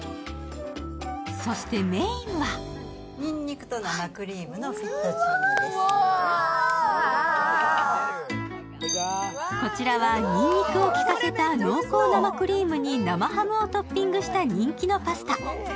そしてメインはこちらはにんにくを効かせた濃厚生クリームに生ハムをトッピングした人気のパスタ。